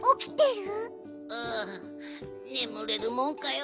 ああねむれるもんかよ。